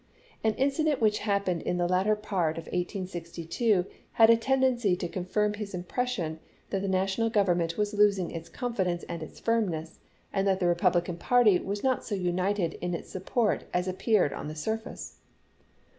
An incident which happened in the latter part of 1862 had a tendency to confirm his impression that the National Government was losing its confidence and its firmness, and that the Republican party was not so united in its support as appeared on the surface.